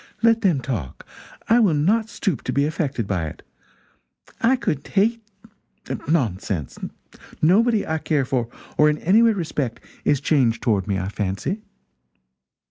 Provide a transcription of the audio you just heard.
Let them talk I will not stoop to be affected by it. I could hate . Nonsense nobody I care for or in any way respect is changed toward me, I fancy."